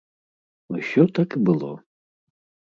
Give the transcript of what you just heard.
Усё так і было.